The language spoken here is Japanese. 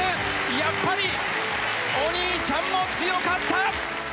やっぱり、お兄ちゃんも強かった！